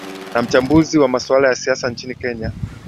na mchambuzi wa masuala ya siasa nchini kenya